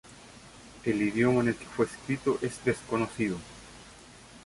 El idioma en el que fue escrito es desconocido.